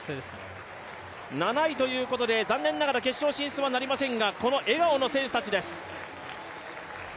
７位ということで残念ながら決勝進出はありまりせんが、７この笑顔の選手たちです。